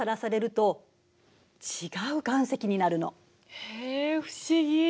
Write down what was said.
へえ不思議。